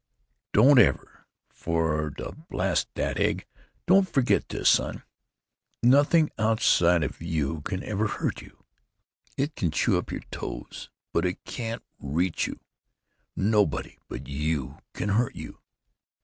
"Don't ever for——Da——Blast that egg! Don't forget this, son: nothing outside of you can ever hurt you. It can chew up your toes, but it can't reach you. Nobody but you can hurt you.